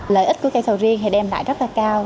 lợi ích của cây sầu riêng thì đem lại rất là cao